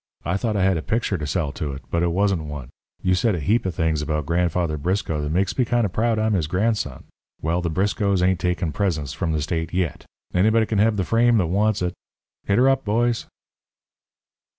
I thought I had a picture to sell to it, but it wasn't one. You said a heap of things about Grandfather Briscoe that makes me kind of proud I'm his grandson. Well, the Briscoes ain't takin' presents from the state yet. Anybody can have the frame that wants it. Hit her up, boys."